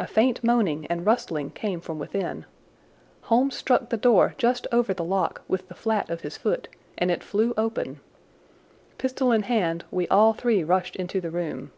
A faint moaning and rustling came from within. Holmes struck the door just over the lock with the flat of his foot and it flew open. Pistol in hand, we all three rushed into the room.